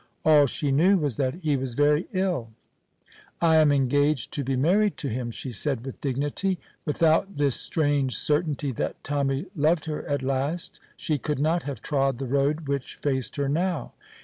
All she knew was that he was very ill. "I am engaged to be married to him," she said with dignity. Without this strange certainty that Tommy loved her at last, she could not have trod the road which faced her now.